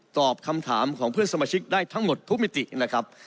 ตอบคำถามของเพื่อนสมาชิกได้ทั้งหมดทุกมิตินะครับ